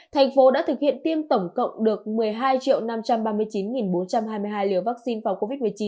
thành phố đã thực hiện tiêm tổng cộng được một mươi hai năm trăm ba mươi chín bốn trăm hai mươi hai liều vaccine phòng covid một mươi chín